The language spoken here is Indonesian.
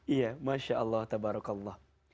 iya masya allah tabarakallah